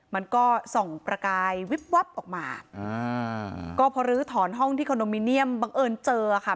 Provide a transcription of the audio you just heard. มันก็ส่องประกายวิบวับออกมาอ่าก็พอลื้อถอนห้องที่คอนโดมิเนียมบังเอิญเจอค่ะ